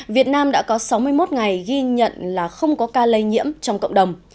việt nam đã có sáu mươi một ngày ghi nhận là không có ca lây nhiễm trong cộng đồng